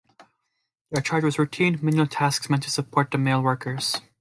They are charged with routine, menial tasks meant to support the male workers.